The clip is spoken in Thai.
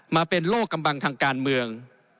มาเป็นโลกกำบังทางการเมือง